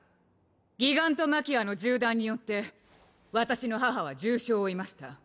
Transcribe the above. ギガントマキアの縦断によって私の母は重傷を負いました。